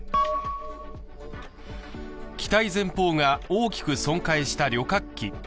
機体前方が大きく損壊した旅客機。